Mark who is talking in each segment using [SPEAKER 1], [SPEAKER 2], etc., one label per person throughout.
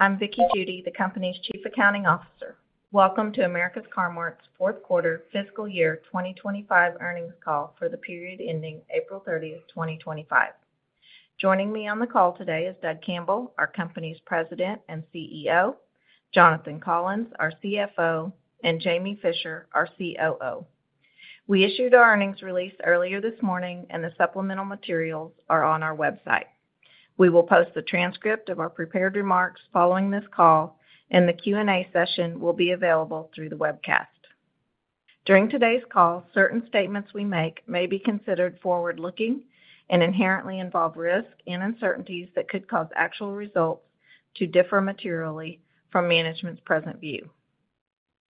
[SPEAKER 1] I'm Vickie Judy, the company's Chief Accounting Officer. Welcome to AMERICA'S CAR-MART's Fourth Quarter Fiscal Year 2025 Earnings Call for the period ending April 30, 2025. Joining me on the call today is Doug Campbell, our company's President and CEO, Jonathan Collins, our CFO, and Jamie Fischer, our COO. We issued our earnings release earlier this morning, and the supplemental materials are on our website. We will post the transcript of our prepared remarks following this call, and the Q&A session will be available through the webcast. During today's call, certain statements we make may be considered forward-looking and inherently involve risk and uncertainties that could cause actual results to differ materially from management's present view.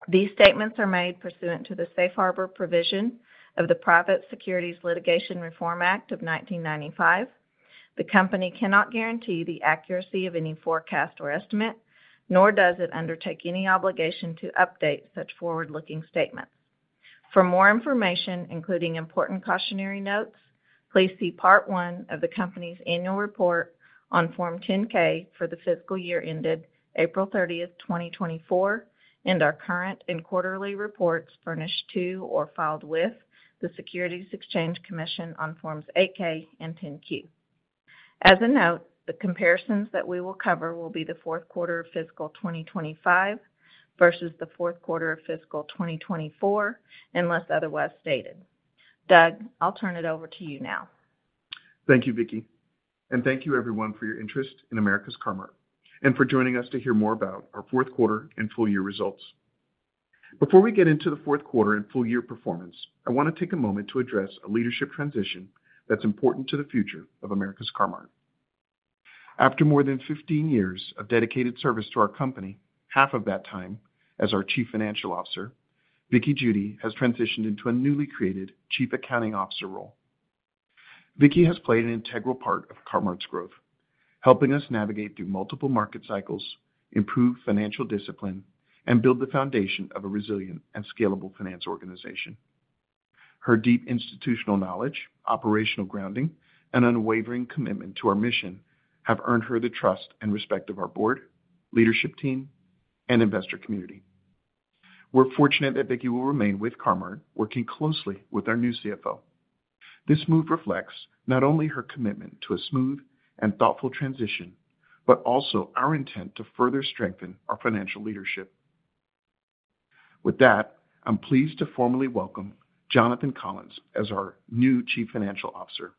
[SPEAKER 1] These statements are made pursuant to the Safe Harbor Provision of the Private Securities Litigation Reform Act of 1995. The company cannot guarantee the accuracy of any forecast or estimate, nor does it undertake any obligation to update such forward-looking statements. For more information, including important cautionary notes, please see Part 1 of the company's annual report on Form 10-K for the fiscal year ended April 30, 2024, and our current and quarterly reports furnished to or filed with the Securities Exchange Commission on Forms 8-K and 10-Q. As a note, the comparisons that we will cover will be the fourth quarter of fiscal 2025 versus the fourth quarter of fiscal 2024, unless otherwise stated. Doug, I'll turn it over to you now.
[SPEAKER 2] Thank you, Vickie, and thank you, everyone, for your interest in AMERICA'S CAR-MART and for joining us to hear more about our fourth quarter and full-year results. Before we get into the fourth quarter and full-year performance, I want to take a moment to address a leadership transition that's important to the future of AMERICA'S CAR-MART. After more than 15 years of dedicated service to our company, half of that time as our Chief Financial Officer, Vickie Judy has transitioned into a newly created Chief Accounting Officer role. Vickie has played an integral part of CAR-MART's growth, helping us navigate through multiple market cycles, improve financial discipline, and build the foundation of a resilient and scalable finance organization. Her deep institutional knowledge, operational grounding, and unwavering commitment to our mission have earned her the trust and respect of our board, leadership team, and investor community. We're fortunate that Vickie will remain with CAR-MART, working closely with our new CFO. This move reflects not only her commitment to a smooth and thoughtful transition, but also our intent to further strengthen our financial leadership. With that, I'm pleased to formally welcome Jonathan Collins as our new Chief Financial Officer.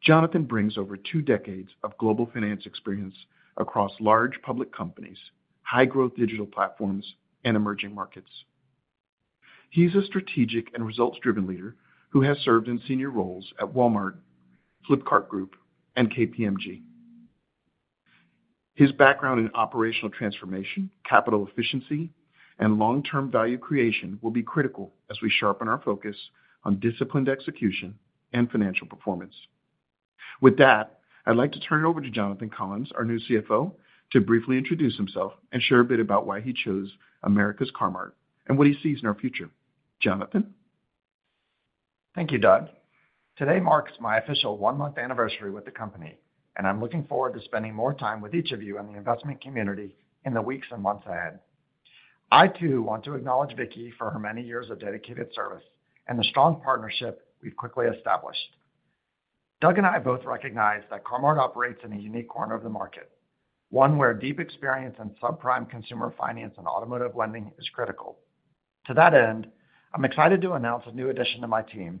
[SPEAKER 2] Jonathan brings over two decades of global finance experience across large public companies, high-growth digital platforms, and emerging markets. He's a strategic and results-driven leader who has served in senior roles at Walmart, Flipkart Group, and KPMG. His background in operational transformation, capital efficiency, and long-term value creation will be critical as we sharpen our focus on disciplined execution and financial performance. With that, I'd like to turn it over to Jonathan Collins, our new CFO, to briefly introduce himself and share a bit about why he chose AMERICA'S CAR-MART and what he sees in our future. Jonathan?
[SPEAKER 3] Thank you, Doug. Today marks my official one-month anniversary with the company, and I'm looking forward to spending more time with each of you and the investment community in the weeks and months ahead. I, too, want to acknowledge Vickie for her many years of dedicated service and the strong partnership we've quickly established. Doug and I both recognize that CAR-MART operates in a unique corner of the market, one where deep experience in subprime consumer finance and automotive lending is critical. To that end, I'm excited to announce a new addition to my team,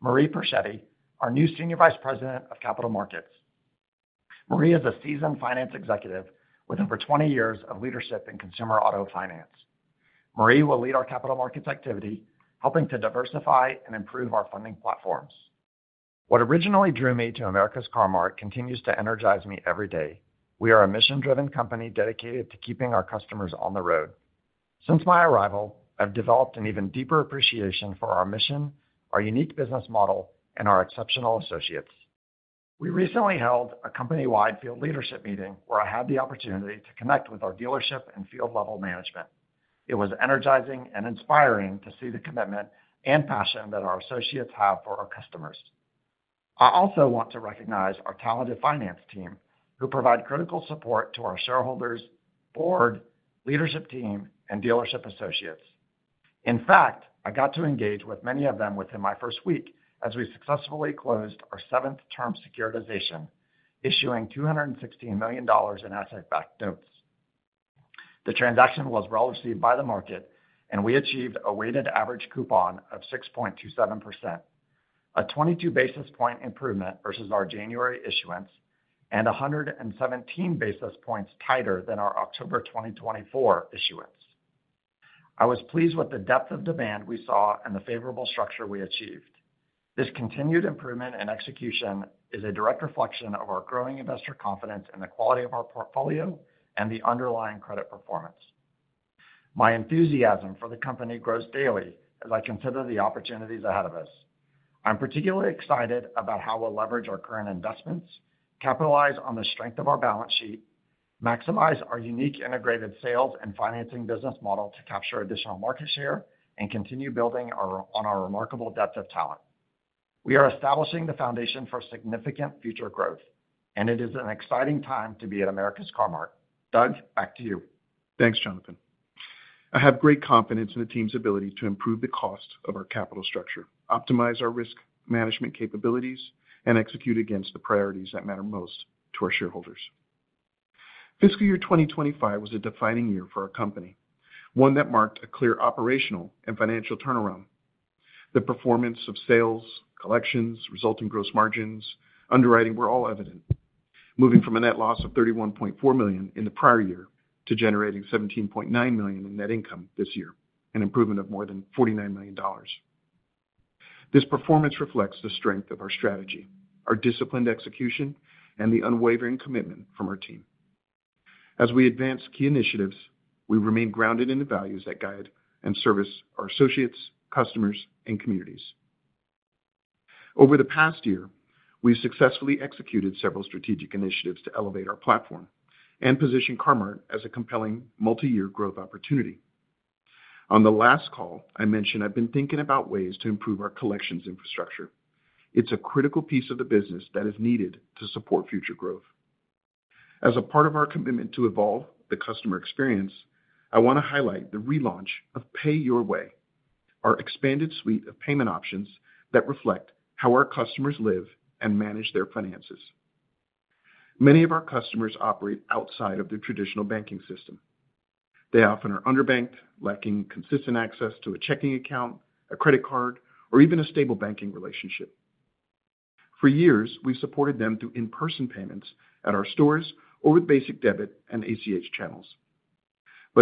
[SPEAKER 3] Marie Persetti, our new Senior Vice President of Capital Markets. Marie is a seasoned finance executive with over 20 years of leadership in consumer auto finance. Marie will lead our capital markets activity, helping to diversify and improve our funding platforms. What originally drew me to AMERICA'S CAR-MART continues to energize me every day. We are a mission-driven company dedicated to keeping our customers on the road. Since my arrival, I've developed an even deeper appreciation for our mission, our unique business model, and our exceptional associates. We recently held a company-wide field leadership meeting where I had the opportunity to connect with our dealership and field-level management. It was energizing and inspiring to see the commitment and passion that our associates have for our customers. I also want to recognize our talented finance team who provide critical support to our shareholders, board, leadership team, and dealership associates. In fact, I got to engage with many of them within my first week as we successfully closed our seventh-term securitization, issuing $216 million in asset-backed notes. The transaction was well received by the market, and we achieved a weighted average coupon of 6.27%, a 22 basis point improvement versus our January issuance, and 117 basis points tighter than our October 2024 issuance. I was pleased with the depth of demand we saw and the favorable structure we achieved. This continued improvement in execution is a direct reflection of our growing investor confidence in the quality of our portfolio and the underlying credit performance. My enthusiasm for the company grows daily as I consider the opportunities ahead of us. I'm particularly excited about how we'll leverage our current investments, capitalize on the strength of our balance sheet, maximize our unique integrated sales and financing business model to capture additional market share, and continue building on our remarkable depth of talent. We are establishing the foundation for significant future growth, and it is an exciting time to be at AMERICA'S CAR-MART. Doug, back to you.
[SPEAKER 2] Thanks, Jonathan. I have great confidence in the team's ability to improve the cost of our capital structure, optimize our risk management capabilities, and execute against the priorities that matter most to our shareholders. Fiscal year 2025 was a defining year for our company, one that marked a clear operational and financial turnaround. The performance of sales, collections, resulting gross margins, and underwriting were all evident, moving from a net loss of $31.4 million in the prior year to generating $17.9 million in net income this year and an improvement of more than $49 million. This performance reflects the strength of our strategy, our disciplined execution, and the unwavering commitment from our team. As we advance key initiatives, we remain grounded in the values that guide and service our associates, customers, and communities. Over the past year, we've successfully executed several strategic initiatives to elevate our platform and position CAR-MART as a compelling multi-year growth opportunity. On the last call, I mentioned I've been thinking about ways to improve our collections infrastructure. It's a critical piece of the business that is needed to support future growth. As a part of our commitment to evolve the customer experience, I want to highlight the relaunch of Pay Your Way, our expanded suite of payment options that reflect how our customers live and manage their finances. Many of our customers operate outside of the traditional banking system. They often are underbanked, lacking consistent access to a checking account, a credit card, or even a stable banking relationship. For years, we've supported them through in-person payments at our stores or with basic debit and ACH channels.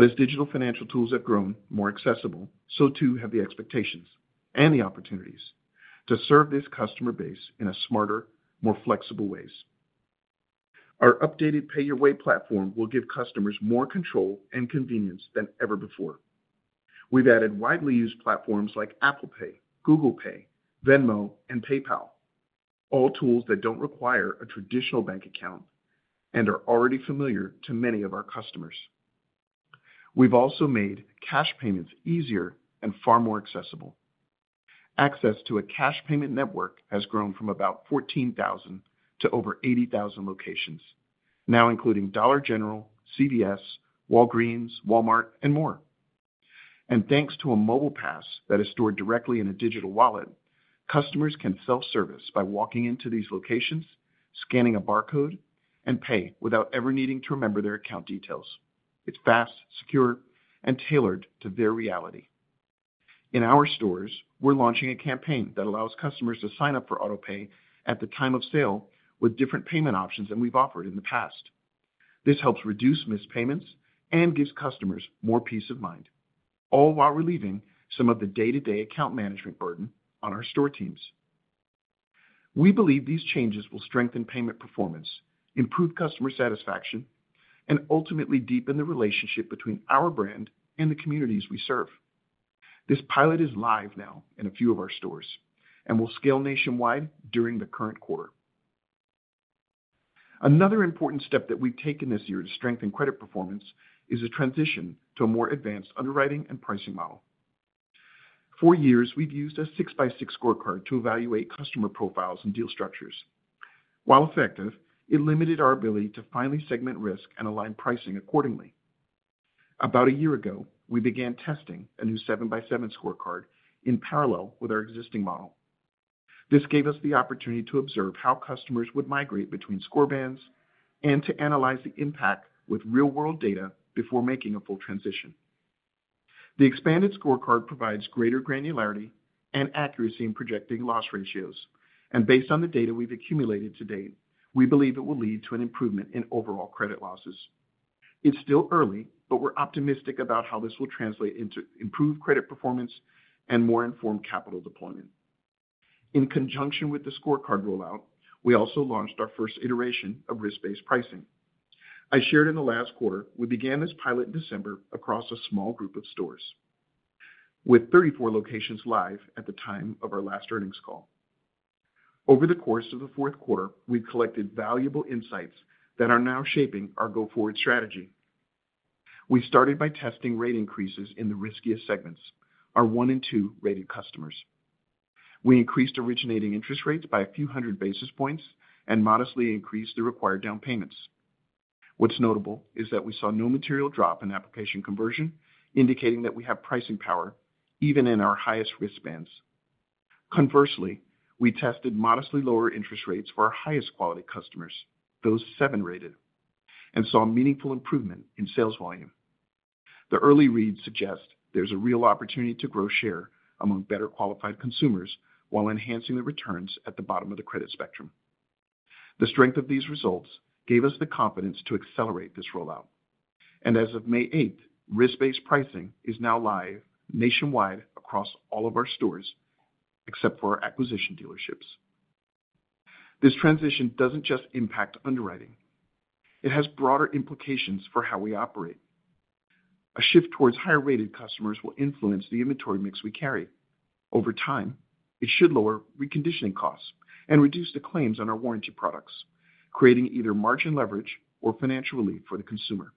[SPEAKER 2] As digital financial tools have grown more accessible, so too have the expectations and the opportunities to serve this customer base in smarter, more flexible ways. Our updated Pay Your Way platform will give customers more control and convenience than ever before. We have added widely used platforms like Apple Pay, Google Pay, Venmo, and PayPal, all tools that do not require a traditional bank account and are already familiar to many of our customers. We have also made cash payments easier and far more accessible. Access to a cash payment network has grown from about 14,000 to over 80,000 locations, now including Dollar General, CVS, Walgreens, Walmart, and more. Thanks to a mobile pass that is stored directly in a digital wallet, customers can self-service by walking into these locations, scanning a barcode, and pay without ever needing to remember their account details. It's fast, secure, and tailored to their reality. In our stores, we're launching a campaign that allows customers to sign up for autopay at the time of sale with different payment options than we've offered in the past. This helps reduce missed payments and gives customers more peace of mind, all while relieving some of the day-to-day account management burden on our store teams. We believe these changes will strengthen payment performance, improve customer satisfaction, and ultimately deepen the relationship between our brand and the communities we serve. This pilot is live now in a few of our stores and will scale nationwide during the current quarter. Another important step that we've taken this year to strengthen credit performance is a transition to a more advanced underwriting and pricing model. For years, we've used a 6x6 scorecard to evaluate customer profiles and deal structures. While effective, it limited our ability to finely segment risk and align pricing accordingly. About a year ago, we began testing a new 7x7 scorecard in parallel with our existing model. This gave us the opportunity to observe how customers would migrate between score bands and to analyze the impact with real-world data before making a full transition. The expanded scorecard provides greater granularity and accuracy in projecting loss ratios, and based on the data we've accumulated to date, we believe it will lead to an improvement in overall credit losses. It's still early, but we're optimistic about how this will translate into improved credit performance and more informed capital deployment. In conjunction with the scorecard rollout, we also launched our first iteration of risk-based pricing. As shared in the last quarter, we began this pilot in December across a small group of stores, with 34 locations live at the time of our last earnings call. Over the course of the fourth quarter, we've collected valuable insights that are now shaping our go-forward strategy. We started by testing rate increases in the riskiest segments, our one and two-rated customers. We increased originating interest rates by a few hundred basis points and modestly increased the required down payments. What's notable is that we saw no material drop in application conversion, indicating that we have pricing power even in our highest risk bands. Conversely, we tested modestly lower interest rates for our highest quality customers, those 7-rated, and saw meaningful improvement in sales volume. The early reads suggest there's a real opportunity to grow share among better qualified consumers while enhancing the returns at the bottom of the credit spectrum. The strength of these results gave us the confidence to accelerate this rollout. As of May 8th, risk-based pricing is now live nationwide across all of our stores except for our acquisition dealerships. This transition doesn't just impact underwriting. It has broader implications for how we operate. A shift towards higher-rated customers will influence the inventory mix we carry. Over time, it should lower reconditioning costs and reduce the claims on our warranty products, creating either margin leverage or financial relief for the consumer.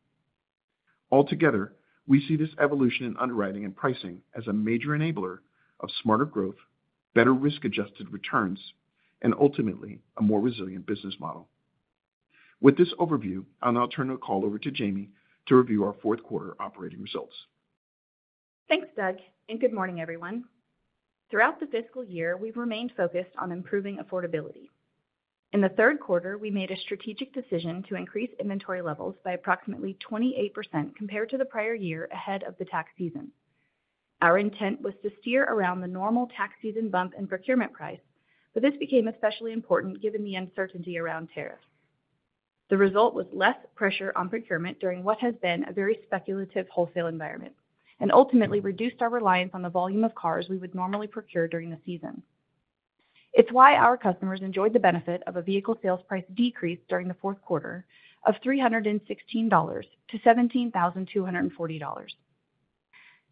[SPEAKER 2] Altogether, we see this evolution in underwriting and pricing as a major enabler of smarter growth, better risk-adjusted returns, and ultimately a more resilient business model. With this overview, I'll now turn the call over to Jamie to review our fourth quarter operating results.
[SPEAKER 4] Thanks, Doug, and good morning, everyone. Throughout the fiscal year, we've remained focused on improving affordability. In the third quarter, we made a strategic decision to increase inventory levels by approximately 28% compared to the prior year ahead of the tax season. Our intent was to steer around the normal tax season bump in procurement price, but this became especially important given the uncertainty around tariffs. The result was less pressure on procurement during what has been a very speculative wholesale environment and ultimately reduced our reliance on the volume of cars we would normally procure during the season. It's why our customers enjoyed the benefit of a vehicle sales price decrease during the fourth quarter of $316 to $17,240.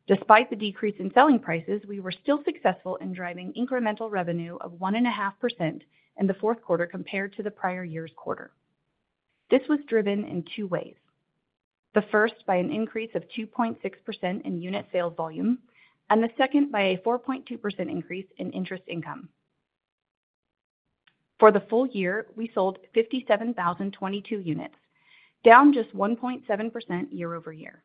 [SPEAKER 4] Despite the decrease in selling prices, we were still successful in driving incremental revenue of 1.5% in the fourth quarter compared to the prior year's quarter. This was driven in two ways. The first, by an increase of 2.6% in unit sales volume, and the second, by a 4.2% increase in interest income. For the full year, we sold 57,022 units, down just 1.7% year over year.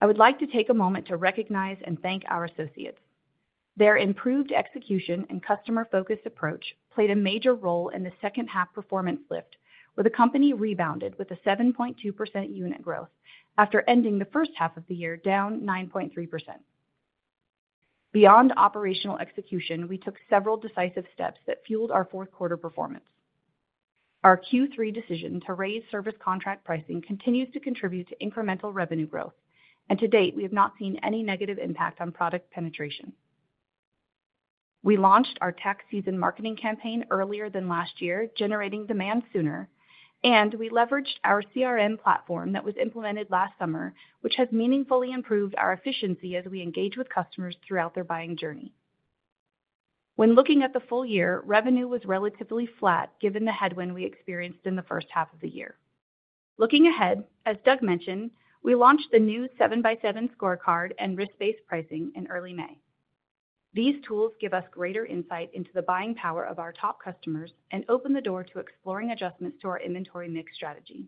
[SPEAKER 4] I would like to take a moment to recognize and thank our associates. Their improved execution and customer-focused approach played a major role in the second-half performance lift, where the company rebounded with a 7.2% unit growth after ending the first half of the year down 9.3%. Beyond operational execution, we took several decisive steps that fueled our fourth quarter performance. Our Q3 decision to raise service contract pricing continues to contribute to incremental revenue growth, and to date, we have not seen any negative impact on product penetration. We launched our tax season marketing campaign earlier than last year, generating demand sooner, and we leveraged our CRM platform that was implemented last summer, which has meaningfully improved our efficiency as we engage with customers throughout their buying journey. When looking at the full year, revenue was relatively flat given the headwind we experienced in the first half of the year. Looking ahead, as Doug mentioned, we launched the new 7x7 scorecard and risk-based pricing in early May. These tools give us greater insight into the buying power of our top customers and open the door to exploring adjustments to our inventory mix strategy.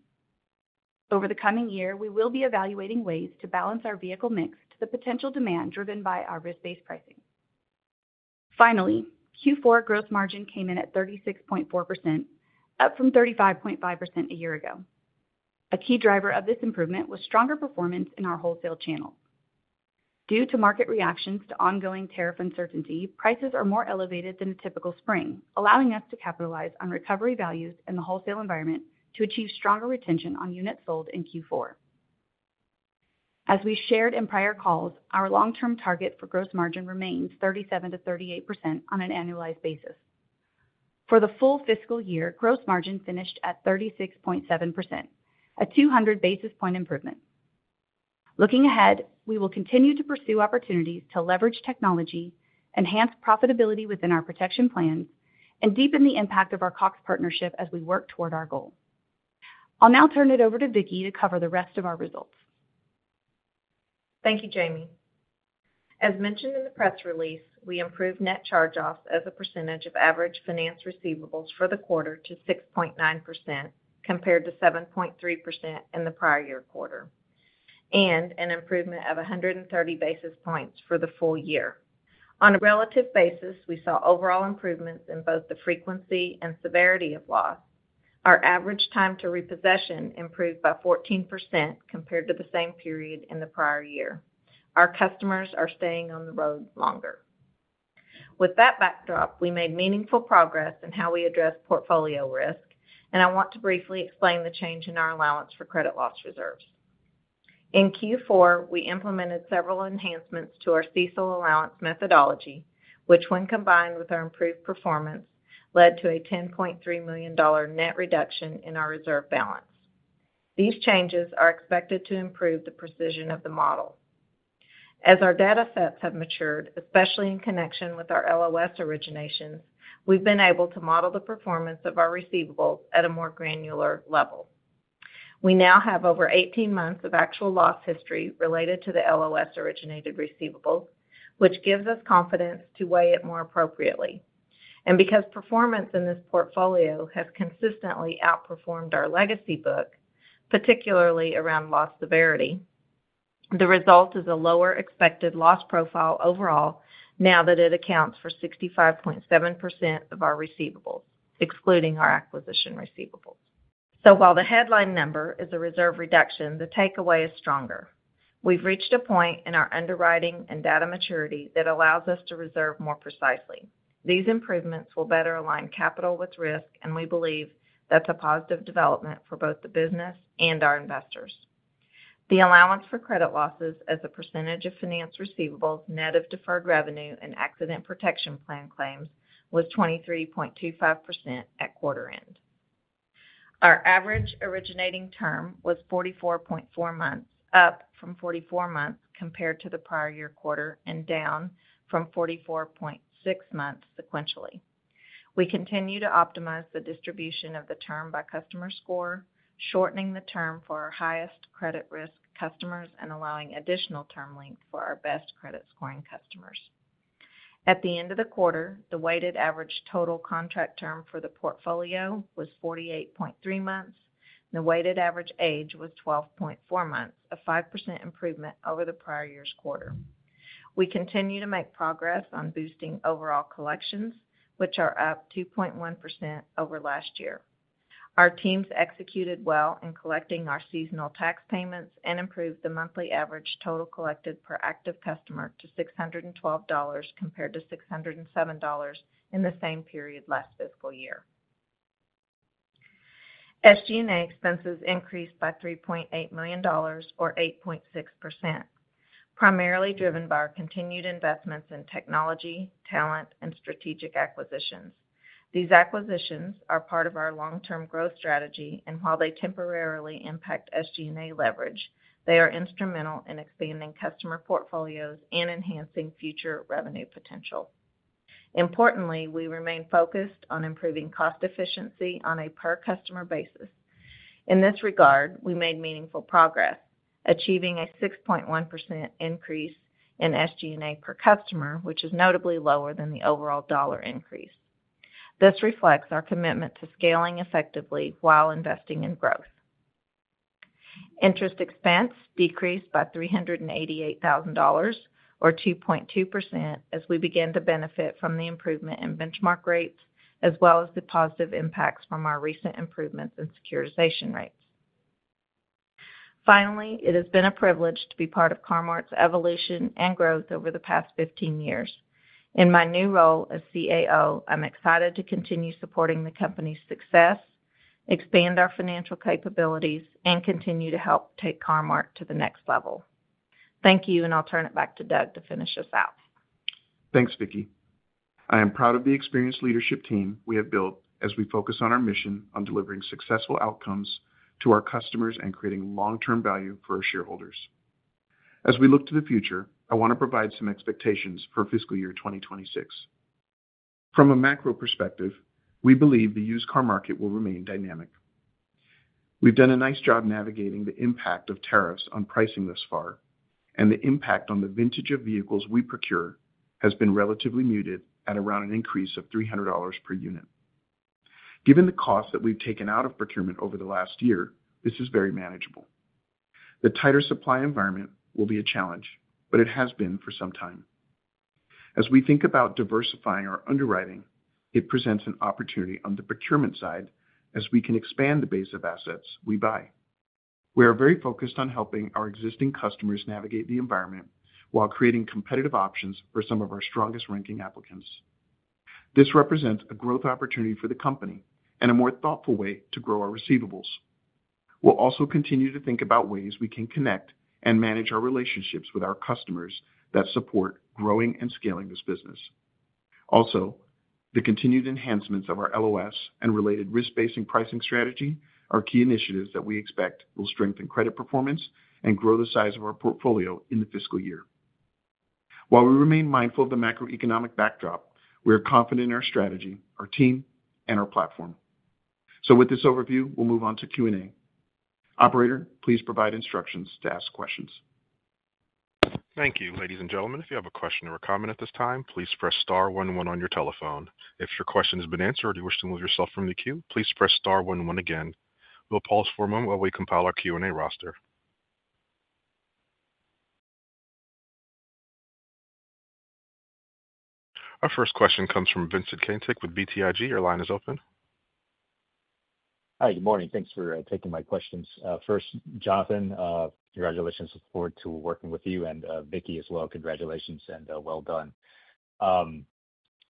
[SPEAKER 4] Over the coming year, we will be evaluating ways to balance our vehicle mix to the potential demand driven by our risk-based pricing. Finally, Q4 gross margin came in at 36.4%, up from 35.5% a year ago. A key driver of this improvement was stronger performance in our wholesale channels. Due to market reactions to ongoing tariff uncertainty, prices are more elevated than a typical spring, allowing us to capitalize on recovery values in the wholesale environment to achieve stronger retention on units sold in Q4. As we shared in prior calls, our long-term target for gross margin remains 37%-38% on an annualized basis. For the full fiscal year, gross margin finished at 36.7%, a 200 basis point improvement. Looking ahead, we will continue to pursue opportunities to leverage technology, enhance profitability within our protection plans, and deepen the impact of our Cox partnership as we work toward our goal. I'll now turn it over to Vickie to cover the rest of our results.
[SPEAKER 1] Thank you, Jamie. As mentioned in the press release, we improved net charge-offs as a percentage of average finance receivables for the quarter to 6.9% compared to 7.3% in the prior year quarter, and an improvement of 130 basis points for the full year. On a relative basis, we saw overall improvements in both the frequency and severity of loss. Our average time to repossession improved by 14% compared to the same period in the prior year. Our customers are staying on the road longer. With that backdrop, we made meaningful progress in how we address portfolio risk, and I want to briefly explain the change in our allowance for credit losses reserves. In Q4, we implemented several enhancements to our CECL allowance methodology, which, when combined with our improved performance, led to a $10.3 million net reduction in our reserve balance. These changes are expected to improve the precision of the model. As our data sets have matured, especially in connection with our LOS originations, we've been able to model the performance of our receivables at a more granular level. We now have over 18 months of actual loss history related to the LOS originated receivables, which gives us confidence to weigh it more appropriately. Because performance in this portfolio has consistently outperformed our legacy book, particularly around loss severity, the result is a lower expected loss profile overall now that it accounts for 65.7% of our receivables, excluding our acquisition receivables. While the headline number is a reserve reduction, the takeaway is stronger. We've reached a point in our underwriting and data maturity that allows us to reserve more precisely. These improvements will better align capital with risk, and we believe that's a positive development for both the business and our investors. The allowance for credit losses as a percentage of finance receivables net of deferred revenue and accident protection plan claims was 23.25% at quarter end. Our average originating term was 44.4 months, up from 44 months compared to the prior year quarter and down from 44.6 months sequentially. We continue to optimize the distribution of the term by customer score, shortening the term for our highest credit risk customers and allowing additional term length for our best credit scoring customers. At the end of the quarter, the weighted average total contract term for the portfolio was 48.3 months, and the weighted average age was 12.4 months, a 5% improvement over the prior year's quarter. We continue to make progress on boosting overall collections, which are up 2.1% over last year. Our teams executed well in collecting our seasonal tax payments and improved the monthly average total collected per active customer to $612 compared to $607 in the same period last fiscal year. SG&A expenses increased by $3.8 million, or 8.6%, primarily driven by our continued investments in technology, talent, and strategic acquisitions. These acquisitions are part of our long-term growth strategy, and while they temporarily impact SG&A leverage, they are instrumental in expanding customer portfolios and enhancing future revenue potential. Importantly, we remain focused on improving cost efficiency on a per customer basis. In this regard, we made meaningful progress, achieving a 6.1% increase in SG&A per customer, which is notably lower than the overall dollar increase. This reflects our commitment to scaling effectively while investing in growth. Interest expense decreased by $388,000, or 2.2%, as we began to benefit from the improvement in benchmark rates, as well as the positive impacts from our recent improvements in securitization rates. Finally, it has been a privilege to be part of CAR-MART's evolution and growth over the past 15 years. In my new role as CAO, I'm excited to continue supporting the company's success, expand our financial capabilities, and continue to help take CAR-MART to the next level. Thank you, and I'll turn it back to Doug to finish us out.
[SPEAKER 2] Thanks, Vickie. I am proud of the experienced leadership team we have built as we focus on our mission on delivering successful outcomes to our customers and creating long-term value for our shareholders. As we look to the future, I want to provide some expectations for fiscal year 2026. From a macro perspective, we believe the used car market will remain dynamic. We've done a nice job navigating the impact of tariffs on pricing thus far, and the impact on the vintage of vehicles we procure has been relatively muted at around an increase of $300 per unit. Given the cost that we've taken out of procurement over the last year, this is very manageable. The tighter supply environment will be a challenge, but it has been for some time. As we think about diversifying our underwriting, it presents an opportunity on the procurement side as we can expand the base of assets we buy. We are very focused on helping our existing customers navigate the environment while creating competitive options for some of our strongest ranking applicants. This represents a growth opportunity for the company and a more thoughtful way to grow our receivables. We'll also continue to think about ways we can connect and manage our relationships with our customers that support growing and scaling this business. Also, the continued enhancements of our LOS and related risk-based pricing strategy are key initiatives that we expect will strengthen credit performance and grow the size of our portfolio in the fiscal year. While we remain mindful of the macroeconomic backdrop, we are confident in our strategy, our team, and our platform. With this overview, we'll move on to Q&A. Operator, please provide instructions to ask questions.
[SPEAKER 5] Thank you, ladies and gentlemen. If you have a question or a comment at this time, please press star 1 1 on your telephone. If your question has been answered or you wish to move yourself from the queue, please press star 1 1 again. We'll pause for a moment while we compile our Q&A roster. Our first question comes from Vincent Caintic with BTIG. Your line is open.
[SPEAKER 6] Hi, good morning. Thanks for taking my questions. First, Jonathan, congratulations to support to working with you, and Vickie as well. Congratulations and well done.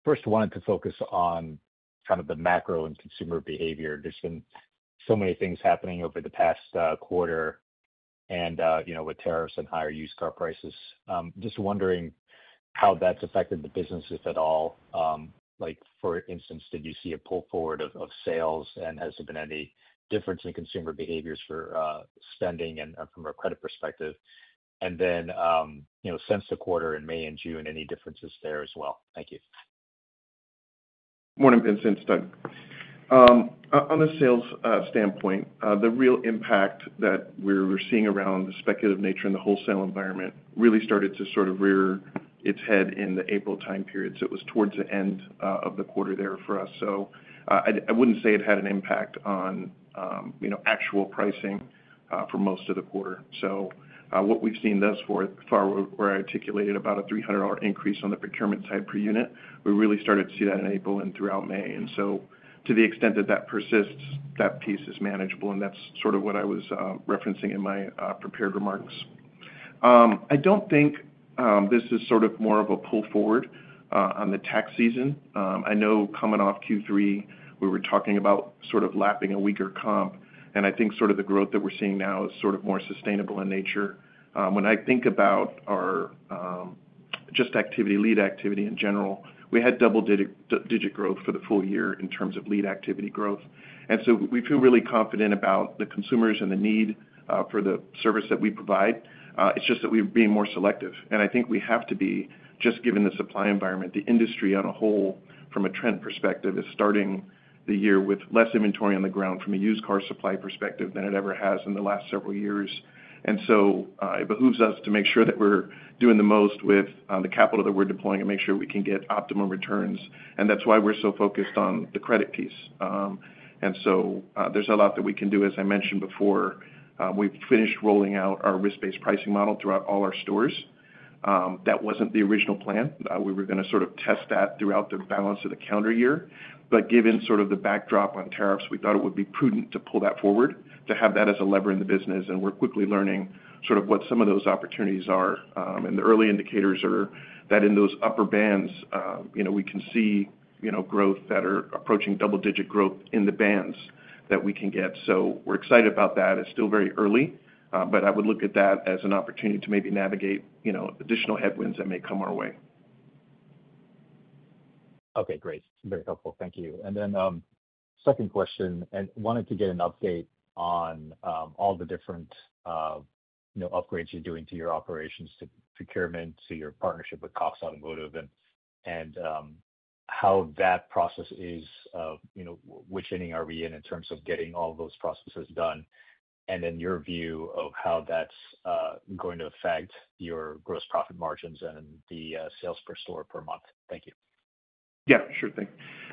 [SPEAKER 6] First, I wanted to focus on kind of the macro and consumer behavior. There's been so many things happening over the past quarter and with tariffs and higher used car prices. Just wondering how that's affected the business, if at all. For instance, did you see a pull forward of sales, and has there been any difference in consumer behaviors for spending and from a credit perspective? Then since the quarter in May and June, any differences there as well? Thank you.
[SPEAKER 2] Morning, Vincent. Doug. On the sales standpoint, the real impact that we were seeing around the speculative nature in the wholesale environment really started to sort of rear its head in the April time period. It was towards the end of the quarter there for us. I would not say it had an impact on actual pricing for most of the quarter. What we have seen thus far, where I articulated about a $300 increase on the procurement side per unit, we really started to see that in April and throughout May. To the extent that that persists, that piece is manageable, and that is sort of what I was referencing in my prepared remarks. I do not think this is sort of more of a pull forward on the tax season. I know coming off Q3, we were talking about sort of lapping a weaker comp, and I think sort of the growth that we're seeing now is sort of more sustainable in nature. When I think about our just lead activity in general, we had double-digit growth for the full year in terms of lead activity growth. And so we feel really confident about the consumers and the need for the service that we provide. It's just that we're being more selective. I think we have to be, just given the supply environment, the industry on a whole, from a trend perspective, is starting the year with less inventory on the ground from a used car supply perspective than it ever has in the last several years. It behooves us to make sure that we're doing the most with the capital that we're deploying and make sure we can get optimum returns. That is why we're so focused on the credit piece. There is a lot that we can do. As I mentioned before, we've finished rolling out our risk-based pricing model throughout all our stores. That was not the original plan. We were going to sort of test that throughout the balance of the calendar year. Given sort of the backdrop on tariffs, we thought it would be prudent to pull that forward, to have that as a lever in the business. We're quickly learning sort of what some of those opportunities are. The early indicators are that in those upper bands, we can see growth that is approaching double-digit growth in the bands that we can get. We're excited about that. It's still very early, but I would look at that as an opportunity to maybe navigate additional headwinds that may come our way.
[SPEAKER 6] Okay, great. Very helpful. Thank you. Then second question, wanted to get an update on all the different upgrades you're doing to your operations, to procurement, to your partnership with Cox Automotive, and how that process is, which ending are we in in terms of getting all those processes done, and your view of how that's going to affect your gross profit margins and the sales per store per month. Thank you.
[SPEAKER 2] Yeah, sure thing.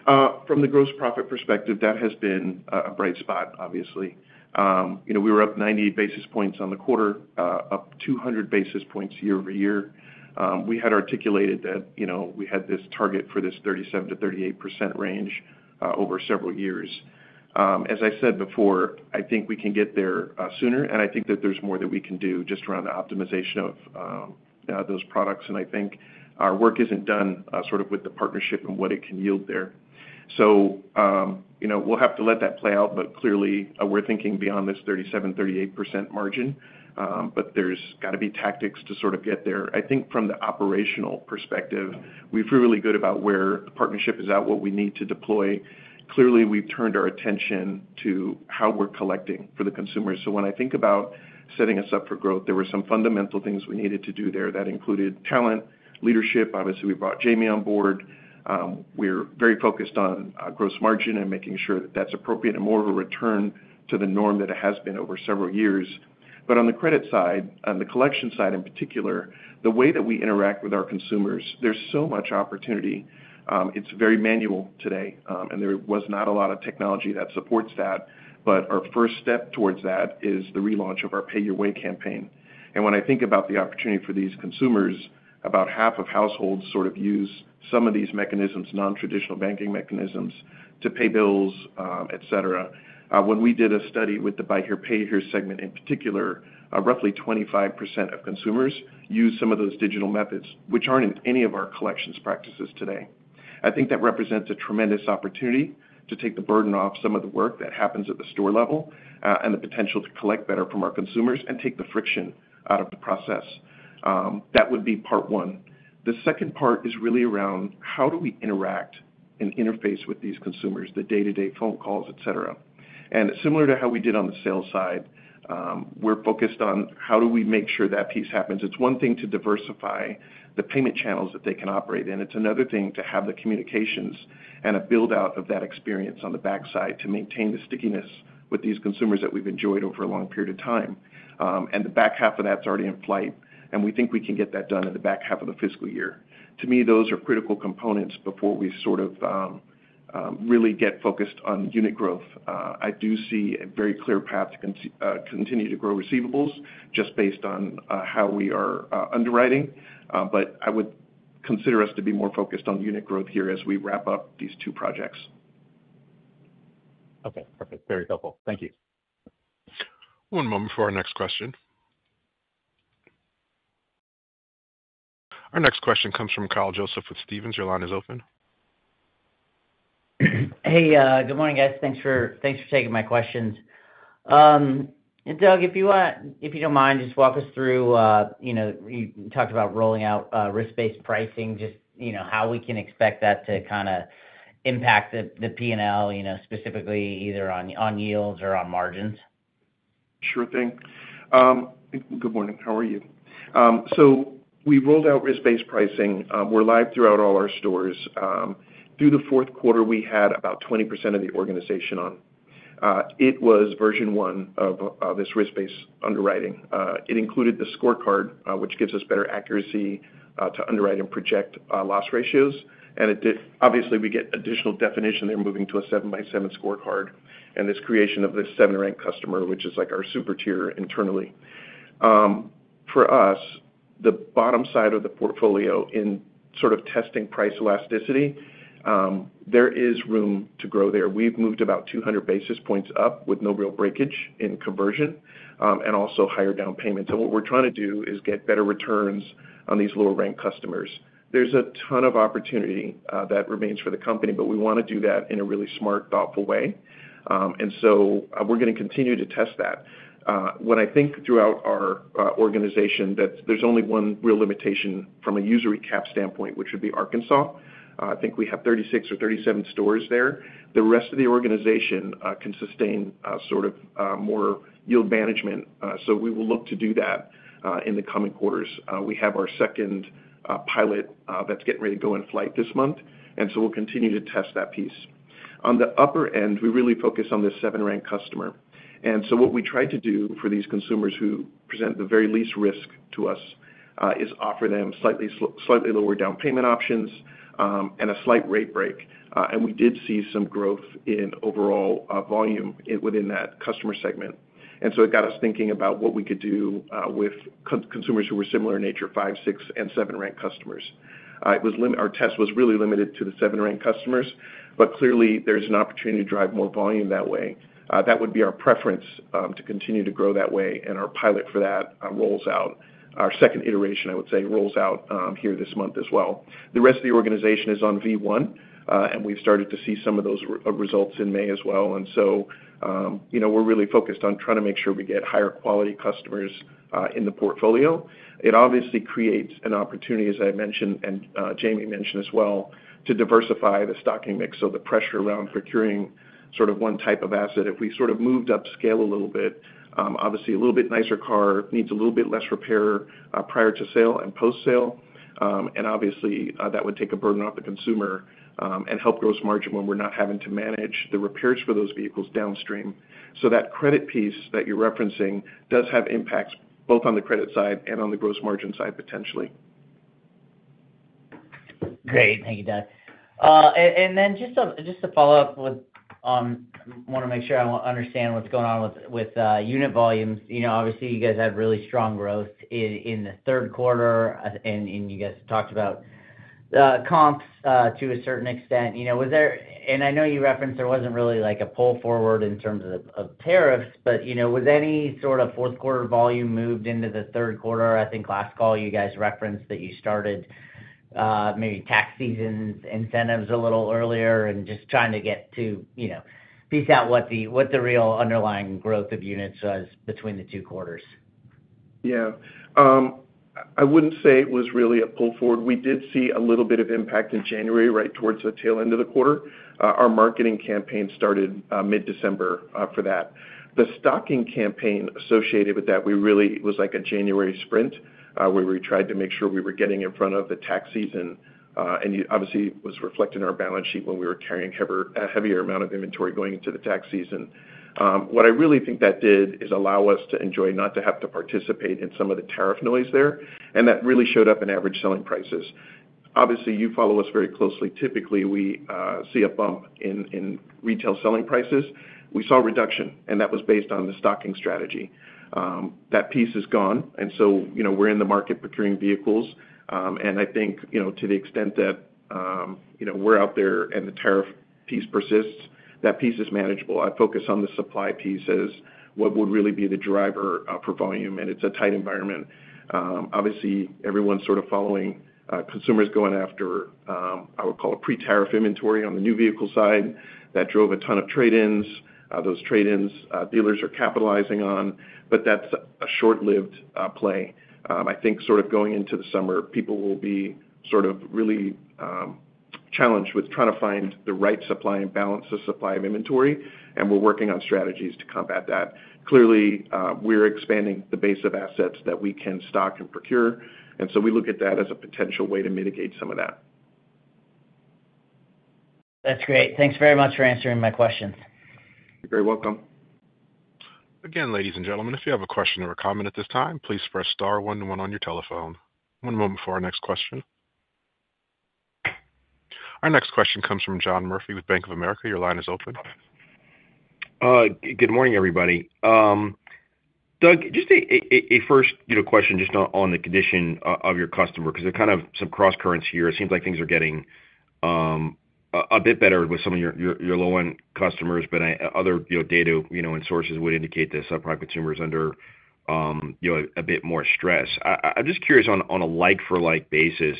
[SPEAKER 2] From the gross profit perspective, that has been a bright spot, obviously. We were up 90 basis points on the quarter, up 200 basis points year over year. We had articulated that we had this target for this 37-38% range over several years. As I said before, I think we can get there sooner, and I think that there's more that we can do just around the optimization of those products. I think our work isn't done sort of with the partnership and what it can yield there. We will have to let that play out, but clearly, we're thinking beyond this 37-38% margin, but there's got to be tactics to sort of get there. I think from the operational perspective, we feel really good about where the partnership is at, what we need to deploy. Clearly, we've turned our attention to how we're collecting for the consumers. When I think about setting us up for growth, there were some fundamental things we needed to do there that included talent, leadership. Obviously, we brought Jamie on board. We're very focused on gross margin and making sure that that's appropriate and more of a return to the norm that it has been over several years. On the credit side, on the collection side in particular, the way that we interact with our consumers, there's so much opportunity. It's very manual today, and there was not a lot of technology that supports that. Our first step towards that is the relaunch of our Pay Your Way campaign. When I think about the opportunity for these consumers, about half of households sort of use some of these mechanisms, non-traditional banking mechanisms to pay bills, etc. When we did a study with the Buy Here, Pay Here segment in particular, roughly 25% of consumers use some of those digital methods, which aren't in any of our collections practices today. I think that represents a tremendous opportunity to take the burden off some of the work that happens at the store level and the potential to collect better from our consumers and take the friction out of the process. That would be part one. The second part is really around how do we interact and interface with these consumers, the day-to-day phone calls, etc. Similar to how we did on the sales side, we're focused on how do we make sure that piece happens. It's one thing to diversify the payment channels that they can operate in. It's another thing to have the communications and a build-out of that experience on the backside to maintain the stickiness with these consumers that we've enjoyed over a long period of time. The back half of that's already in flight, and we think we can get that done in the back half of the fiscal year. To me, those are critical components before we sort of really get focused on unit growth. I do see a very clear path to continue to grow receivables just based on how we are underwriting, but I would consider us to be more focused on unit growth here as we wrap up these two projects.
[SPEAKER 6] Okay, perfect. Very helpful. Thank you.
[SPEAKER 5] One moment for our next question. Our next question comes from Kyle Joseph with Stephens. Your line is open.
[SPEAKER 7] Hey, good morning, guys. Thanks for taking my questions. Doug, if you don't mind, just walk us through. You talked about rolling out risk-based pricing, just how we can expect that to kind of impact the P&L, specifically either on yields or on margins.
[SPEAKER 2] Sure thing. Good morning. How are you? We rolled out risk-based pricing. We're live throughout all our stores. Through the fourth quarter, we had about 20% of the organization on. It was version one of this risk-based underwriting. It included the scorecard, which gives us better accuracy to underwrite and project loss ratios. Obviously, we get additional definition. They're moving to a 7x7 scorecard and this creation of the seven-rank customer, which is like our super tier internally. For us, the bottom side of the portfolio in sort of testing price elasticity, there is room to grow there. We've moved about 200 basis points up with no real breakage in conversion and also higher down payments. What we're trying to do is get better returns on these lower-rank customers. There's a ton of opportunity that remains for the company, but we want to do that in a really smart, thoughtful way. We are going to continue to test that. When I think throughout our organization, there's only one real limitation from a user recap standpoint, which would be Arkansas. I think we have 36 or 37 stores there. The rest of the organization can sustain sort of more yield management. We will look to do that in the coming quarters. We have our second pilot that's getting ready to go in flight this month. We will continue to test that piece. On the upper end, we really focus on the seven-rank customer. What we tried to do for these consumers who present the very least risk to us is offer them slightly lower down payment options and a slight rate break. We did see some growth in overall volume within that customer segment. It got us thinking about what we could do with consumers who were similar in nature, five, six, and seven-rank customers. Our test was really limited to the seven-rank customers, but clearly, there is an opportunity to drive more volume that way. That would be our preference to continue to grow that way. Our pilot for that, our second iteration, I would say, rolls out here this month as well. The rest of the organization is on V1, and we have started to see some of those results in May as well. We are really focused on trying to make sure we get higher quality customers in the portfolio. It obviously creates an opportunity, as I mentioned, and Jamie mentioned as well, to diversify the stocking mix. The pressure around procuring sort of one type of asset, if we sort of moved up scale a little bit, obviously a little bit nicer car needs a little bit less repair prior to sale and post-sale. Obviously, that would take a burden off the consumer and help gross margin when we're not having to manage the repairs for those vehicles downstream. That credit piece that you're referencing does have impacts both on the credit side and on the gross margin side potentially.
[SPEAKER 7] Great. Thank you, Doug. Just to follow up with, I want to make sure I understand what's going on with unit volumes. Obviously, you guys had really strong growth in the third quarter, and you guys talked about comps to a certain extent. I know you referenced there wasn't really like a pull forward in terms of tariffs, but was any sort of fourth quarter volume moved into the third quarter? I think last call you guys referenced that you started maybe tax season incentives a little earlier and just trying to get to piece out what the real underlying growth of units was between the two quarters.
[SPEAKER 2] Yeah. I would not say it was really a pull forward. We did see a little bit of impact in January, right towards the tail end of the quarter. Our marketing campaign started mid-December for that. The stocking campaign associated with that, we really was like a January sprint where we tried to make sure we were getting in front of the tax season. Obviously, it was reflected in our balance sheet when we were carrying a heavier amount of inventory going into the tax season. What I really think that did is allow us to enjoy not to have to participate in some of the tariff noise there. That really showed up in average selling prices. Obviously, you follow us very closely. Typically, we see a bump in retail selling prices. We saw a reduction, and that was based on the stocking strategy. That piece is gone. We are in the market procuring vehicles. I think to the extent that we are out there and the tariff piece persists, that piece is manageable. I focus on the supply piece as what would really be the driver for volume, and it is a tight environment. Obviously, everyone is sort of following consumers going after, I would call it, pre-tariff inventory on the new vehicle side. That drove a ton of trade-ins. Those trade-ins, dealers are capitalizing on, but that is a short-lived play. I think going into the summer, people will be really challenged with trying to find the right supply and balance of supply of inventory. We are working on strategies to combat that. Clearly, we are expanding the base of assets that we can stock and procure. We look at that as a potential way to mitigate some of that.
[SPEAKER 7] That's great. Thanks very much for answering my questions.
[SPEAKER 2] You're very welcome.
[SPEAKER 5] Again, ladies and gentlemen, if you have a question or a comment at this time, please press star one one on your telephone. One moment for our next question. Our next question comes from John Murphy with Bank of America. Your line is open.
[SPEAKER 8] Good morning, everybody. Doug, just a first question just on the condition of your customer, because there are kind of some cross currents here. It seems like things are getting a bit better with some of your low-end customers, but other data and sources would indicate that subprime consumers are under a bit more stress. I'm just curious on a like-for-like basis,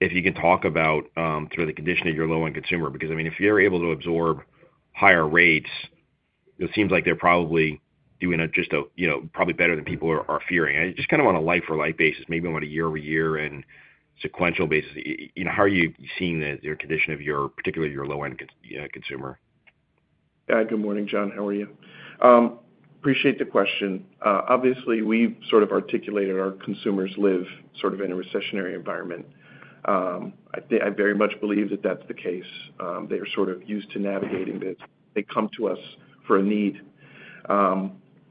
[SPEAKER 8] if you can talk about sort of the condition of your low-end consumer, because I mean, if you're able to absorb higher rates, it seems like they're probably doing just probably better than people are fearing. Just kind of on a like-for-like basis, maybe on a year-over-year and sequential basis, how are you seeing the condition of particularly your low-end consumer?
[SPEAKER 2] Good morning, John. How are you? Appreciate the question. Obviously, we've sort of articulated our consumers live sort of in a recessionary environment. I very much believe that that's the case. They're sort of used to navigating this. They come to us for a need.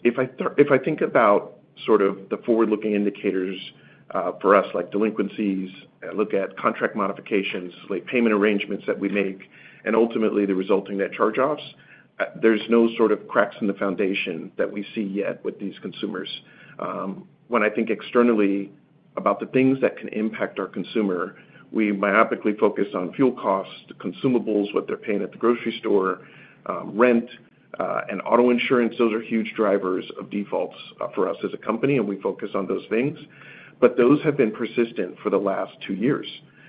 [SPEAKER 2] If I think about sort of the forward-looking indicators for us, like delinquencies, look at contract modifications, late payment arrangements that we make, and ultimately the resulting net charge-offs, there's no sort of cracks in the foundation that we see yet with these consumers. When I think externally about the things that can impact our consumer, we myopically focus on fuel costs, consumables, what they're paying at the grocery store, rent, and auto insurance. Those are huge drivers of defaults for us as a company, and we focus on those things. Those have been persistent for the last two years.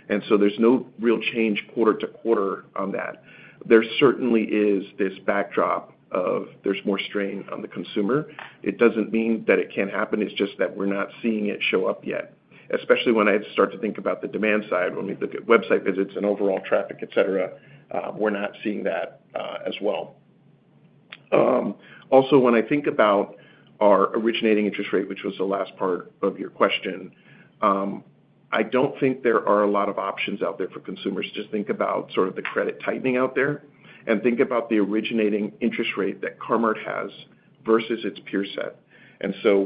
[SPEAKER 2] There is no real change quarter to quarter on that. There certainly is this backdrop of there is more strain on the consumer. It does not mean that it cannot happen. It is just that we are not seeing it show up yet. Especially when I start to think about the demand side, when we look at website visits and overall traffic, etc., we are not seeing that as well. Also, when I think about our originating interest rate, which was the last part of your question, I do not think there are a lot of options out there for consumers. Just think about sort of the credit tightening out there and think about the originating interest rate that CAR-MART has versus its peer set.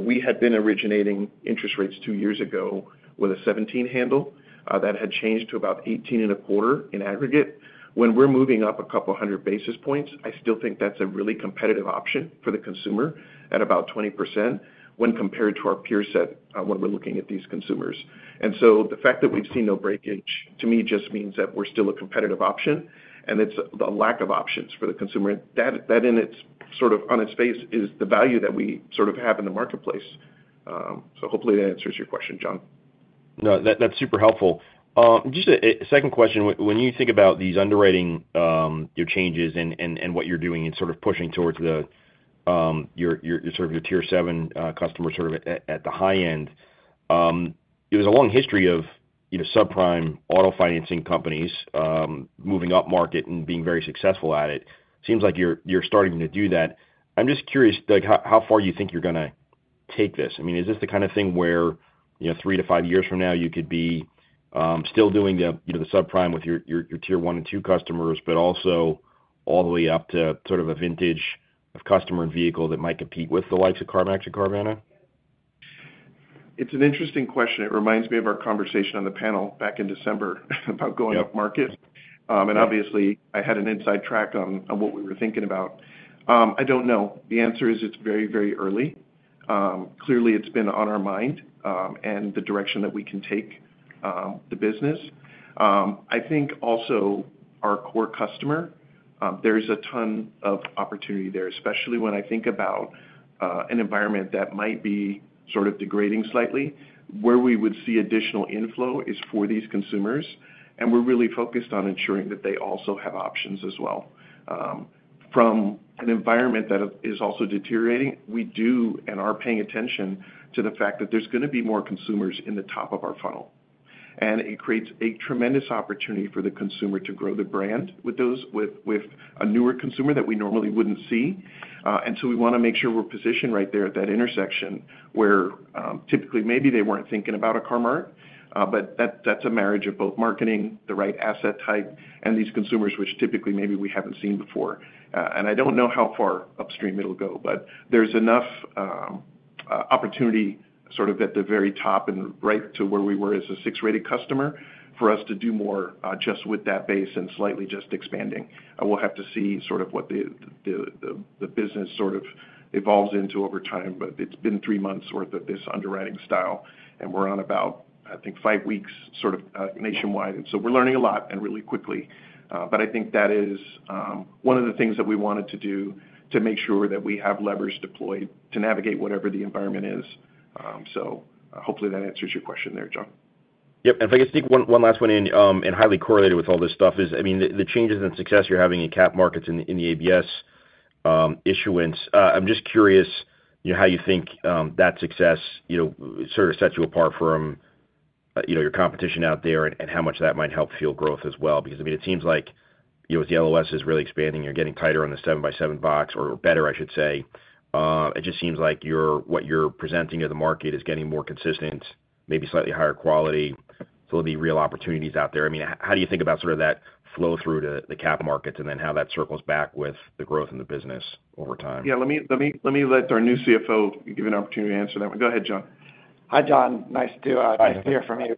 [SPEAKER 2] We had been originating interest rates two years ago with a 17 handle that had changed to about 18.25 in aggregate. When we're moving up a couple hundred basis points, I still think that's a really competitive option for the consumer at about 20% when compared to our peer set when we're looking at these consumers. The fact that we've seen no breakage, to me, just means that we're still a competitive option. It's the lack of options for the consumer. That in its sort of on its face is the value that we sort of have in the marketplace. Hopefully that answers your question, John.
[SPEAKER 8] No, that's super helpful. Just a second question. When you think about these underwriting changes and what you're doing and sort of pushing towards sort of your tier seven customer sort of at the high end, there's a long history of subprime auto financing companies moving up market and being very successful at it. Seems like you're starting to do that. I'm just curious, Doug, how far you think you're going to take this. I mean, is this the kind of thing where three to five years from now you could be still doing the subprime with your tier one and two customers, but also all the way up to sort of a vintage of customer and vehicle that might compete with the likes of CarMax and Carvana?
[SPEAKER 2] It's an interesting question. It reminds me of our conversation on the panel back in December about going up market. Obviously, I had an inside track on what we were thinking about. I don't know. The answer is it's very, very early. Clearly, it's been on our mind and the direction that we can take the business. I think also our core customer, there's a ton of opportunity there, especially when I think about an environment that might be sort of degrading slightly. Where we would see additional inflow is for these consumers. We're really focused on ensuring that they also have options as well. From an environment that is also deteriorating, we do and are paying attention to the fact that there's going to be more consumers in the top of our funnel. It creates a tremendous opportunity for the consumer to grow the brand with a newer consumer that we normally would not see. We want to make sure we are positioned right there at that intersection where typically maybe they were not thinking about a CAR-MART, but that is a marriage of both marketing, the right asset type, and these consumers, which typically maybe we have not seen before. I do not know how far upstream it will go, but there is enough opportunity sort of at the very top and right to where we were as a six-rated customer for us to do more just with that base and slightly just expanding. We will have to see sort of what the business sort of evolves into over time, but it has been three months' worth of this underwriting style, and we are on about, I think, five weeks sort of nationwide. We're learning a lot and really quickly. I think that is one of the things that we wanted to do to make sure that we have levers deployed to navigate whatever the environment is. Hopefully that answers your question there, John.
[SPEAKER 8] Yep. And if I could sneak one last one in and highly correlated with all this stuff is, I mean, the changes in success you're having in cap markets in the ABS issuance. I'm just curious how you think that success sort of sets you apart from your competition out there and how much that might help fuel growth as well. Because I mean, it seems like as the LOS is really expanding, you're getting tighter on the 7 by 7 box or better, I should say. It just seems like what you're presenting to the market is getting more consistent, maybe slightly higher quality. So there'll be real opportunities out there. I mean, how do you think about sort of that flow through the cap markets and then how that circles back with the growth in the business over time?
[SPEAKER 2] Yeah. Let me let our new CFO give you an opportunity to answer that one. Go ahead, Jonathan.
[SPEAKER 3] Hi, John. Nice to hear from you.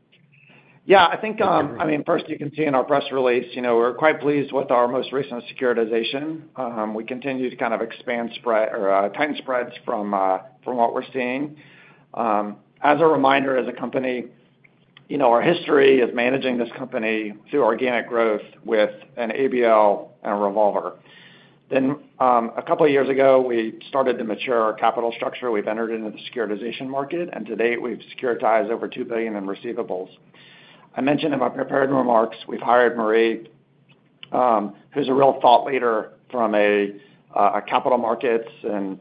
[SPEAKER 3] Yeah. I mean, first, you can see in our press release, we're quite pleased with our most recent securitization. We continue to kind of expand spread or tighten spreads from what we're seeing. As a reminder, as a company, our history is managing this company through organic growth with an ABL and a revolver. A couple of years ago, we started to mature our capital structure. We've entered into the securitization market, and to date, we've securitized over $2 billion in receivables. I mentioned in my prepared remarks, we've hired Marie, who's a real thought leader from capital markets and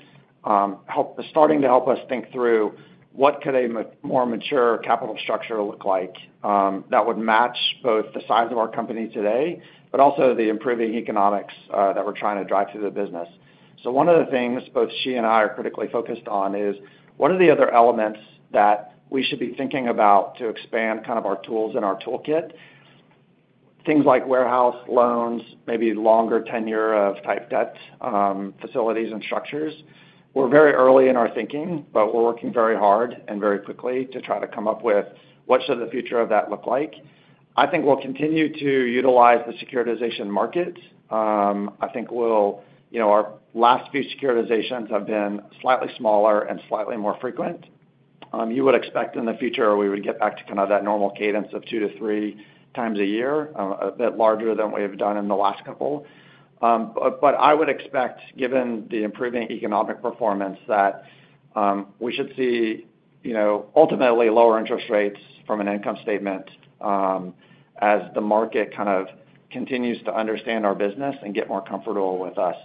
[SPEAKER 3] starting to help us think through what could a more mature capital structure look like that would match both the size of our company today, but also the improving economics that we're trying to drive through the business. One of the things both she and I are critically focused on is what are the other elements that we should be thinking about to expand kind of our tools and our toolkit? Things like warehouse loans, maybe longer tenure of type debt facilities and structures. We're very early in our thinking, but we're working very hard and very quickly to try to come up with what should the future of that look like. I think we'll continue to utilize the securitization market. I think our last few securitizations have been slightly smaller and slightly more frequent. You would expect in the future we would get back to kind of that normal cadence of two to three times a year, a bit larger than we have done in the last couple. I would expect, given the improving economic performance, that we should see ultimately lower interest rates from an income statement as the market kind of continues to understand our business and get more comfortable with us.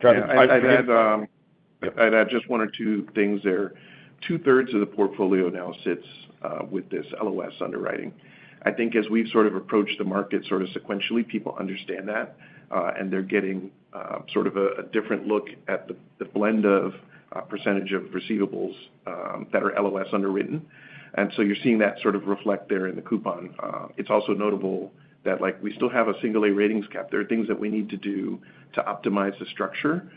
[SPEAKER 2] John, I'd add just one or two things there. Two-thirds of the portfolio now sits with this LOS underwriting. I think as we've sort of approached the market sort of sequentially, people understand that, and they're getting sort of a different look at the blend of percentage of receivables that are LOS underwritten. You are seeing that sort of reflect there in the coupon. It is also notable that we still have a single-A ratings cap. There are things that we need to do to optimize the structure.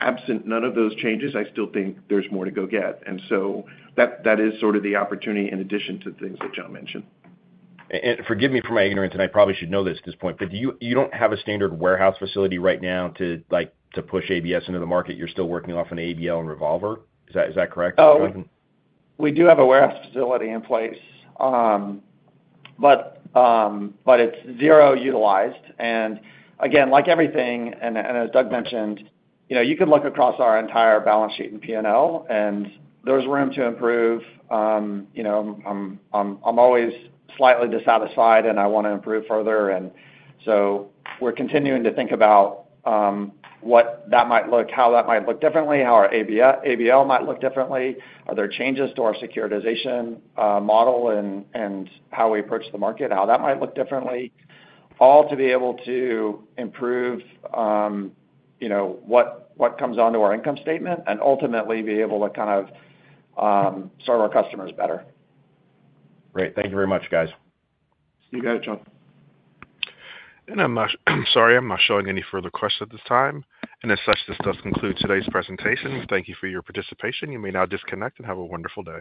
[SPEAKER 2] Absent none of those changes, I still think there is more to go get. That is sort of the opportunity in addition to the things that John mentioned.
[SPEAKER 8] Forgive me for my ignorance, and I probably should know this at this point, but you do not have a standard warehouse facility right now to push ABS into the market. You are still working off an ABL and revolver. Is that correct?
[SPEAKER 3] We do have a warehouse facility in place, but it's zero utilized. Like everything, and as Doug mentioned, you could look across our entire balance sheet and P&L, and there's room to improve. I'm always slightly dissatisfied, and I want to improve further. We're continuing to think about what that might look, how that might look differently, how our ABL might look differently, are there changes to our securitization model and how we approach the market, how that might look differently, all to be able to improve what comes onto our income statement and ultimately be able to kind of serve our customers better.
[SPEAKER 8] Great. Thank you very much, guys.
[SPEAKER 2] You got it, John.
[SPEAKER 5] I'm sorry, I'm not showing any further questions at this time. As such, this does conclude today's presentation. Thank you for your participation. You may now disconnect and have a wonderful day.